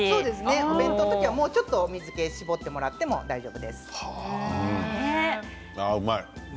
お弁当の時はもうちょっと水けを切ってもらってもああ、うまい。